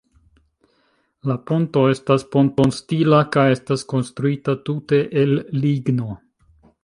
La ponto estas ponton-stila kaj estas konstruita tute el ligno.